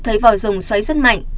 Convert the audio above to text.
thấy vòi dòng xoáy rất mạnh